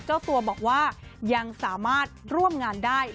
เจ้าตัวบอกว่ายังสามารถร่วมงานได้